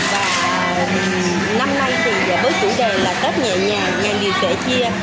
và năm nay thì với chủ đề là tết nhẹ nhàng nhà nghề kể chia